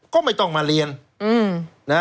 ก็ไม่ต้องมาเรียน